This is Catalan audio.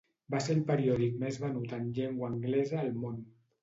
Va ser el periòdic més venut en llengua anglesa al món.